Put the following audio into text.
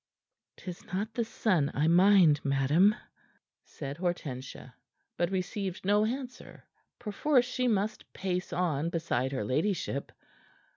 "'Tis not the sun I mind, madam," said Hortensia, but received no answer. Perforce she must pace on beside her ladyship.